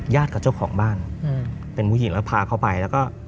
กับเจ้าของบ้านเป็นผู้หญิงแล้วพาเขาไปแล้วก็